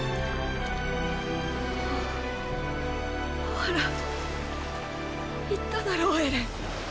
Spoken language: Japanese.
ほら言っただろエレン。